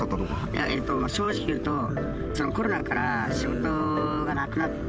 いや、正直いうと、コロナから仕事がなくなって。